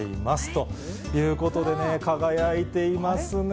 ということでね、輝いていますね。